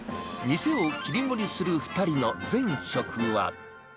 店を切り盛りする２人の前職は。